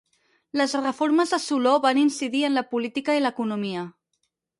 Les reformes de Soló van incidir en la política i l'economia.